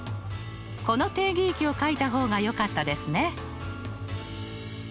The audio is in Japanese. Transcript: この定義域をかいた方がよかったですね。